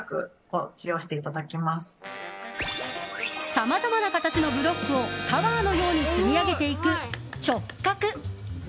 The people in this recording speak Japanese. さまざまな形のブロックをタワーのように積み上げていくチョッカク！